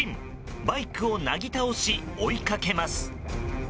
バイクをなぎ倒し追いかけます。